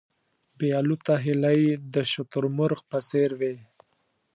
بې الوته هیلۍ د شتر مرغ په څېر وې.